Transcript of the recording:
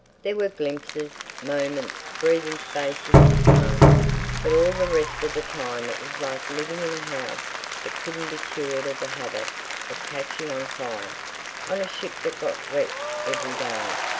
There were glimpses, moments, breathing spaces of calm, but all the rest of the time it was like living in a house that couldn't be cured of the habit of catching on fire, on a ship that got wrecked every day.